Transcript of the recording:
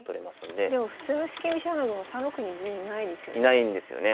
でも普通の四間飛車穴熊３六に銀いないですよね。